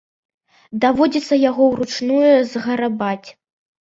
Даводзіцца яго ўручную зграбаць.